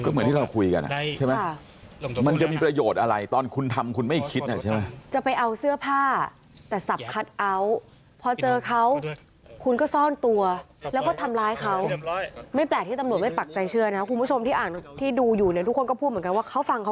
เหมือนทรคุยกัน